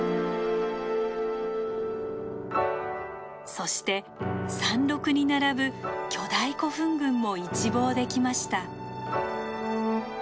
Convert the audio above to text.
そして山麓に並ぶ巨大古墳群も一望できました。